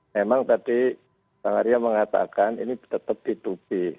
memang tadi pak arya mengatakan ini tetap ditubih